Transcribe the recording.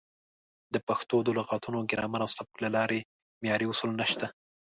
د پښتو د لغتونو، ګرامر او سبک لپاره معیاري اصول نشته.